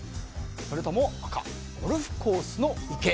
それとも赤、ゴルフコースの池